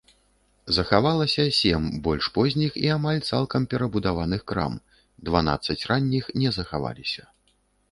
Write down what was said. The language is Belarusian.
Захавалася сем больш позніх і амаль цалкам перабудаваных крам, дванаццаць ранніх не захавалася.